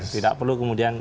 tidak perlu kemudian